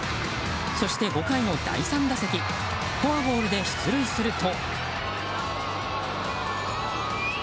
そして、５回の第３打席フォアボールで出塁すると。